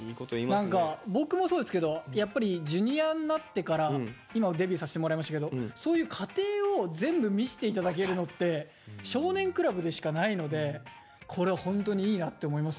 何か僕もそうですけどやっぱりＪｒ．になってから今はデビューさせてもらいましたけどそういう過程を全部見せて頂けるのって「少年倶楽部」でしかないのでこれホントにいいなって思いますね。